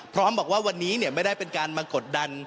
พร้อมบอกว่าวันนี้ไม่ได้เป็นการมากดดัน